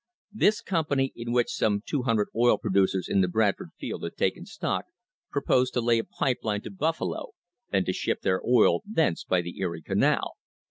This company, in which some 200 oil producers in the Bradford field had taken stock, proposed to lay a pipe line to Buffalo and to ship their oil thence by the Erie Canal.